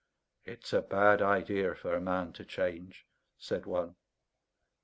"It's a bad idea for a man to change," said one.